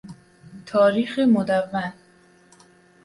تاریخ مدون